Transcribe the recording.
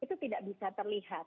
itu tidak bisa terlihat